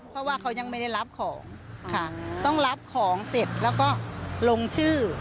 เพราะว่าเขายังไม่ได้รับของค่ะต้องรับของเสร็จแล้วก็ลงชื่อ